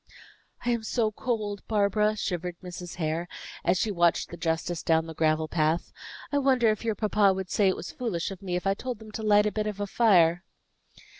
"I am so cold, Barbara," shivered Mrs. Hare, as she watched the justice down the gravel path. "I wonder if your papa would say it was foolish of me, if I told them to light a bit of fire?"